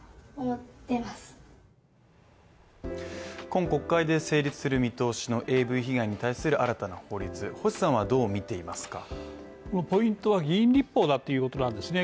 今国会で成立する見通しのＡＶ被害に対する新たな法律、星さんはどう見ていますかポイントは議員立法だっていうことなんですね